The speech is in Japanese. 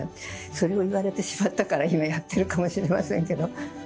それを言われてしまったから今やってるかもしれませんけど。